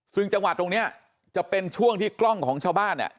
ซึ่งจังหวัดตรงนี้จะเป็นช่วงที่กล้องของชาวบ้านเนี่ย